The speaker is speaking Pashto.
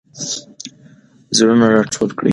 زړونه راټول کړئ.